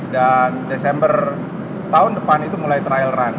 dan desember tahun depan itu mulai trail ride